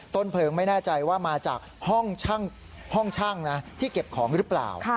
ต้นเพลิงไม่แน่ใจว่ามาจากห้องช่างนะที่เก็บของหรือเปล่า